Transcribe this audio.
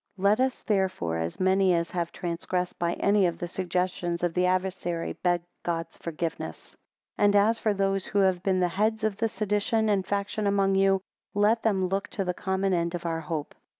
LET us therefore, as many as have transgressed by any of the suggestions of the adversary, beg God's forgiveness. 2 And as for those who have been the heads of the sedition and faction among you, let them look to the common end of our hope.